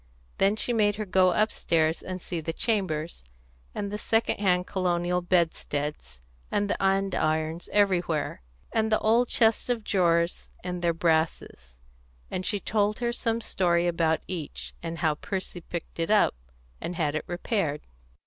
Then she made her go upstairs and see the chambers, and the second hand colonial bedsteads, and the andirons everywhere, and the old chests of drawers and their brasses; and she told her some story about each, and how Percy picked it up and had it repaired.